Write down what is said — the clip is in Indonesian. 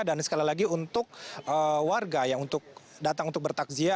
dan sekali lagi untuk warga yang untuk datang untuk bertakzia